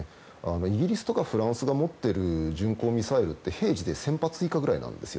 イギリスとかフランスが持っている巡航ミサイルって平時で１０００発以下なんですよ。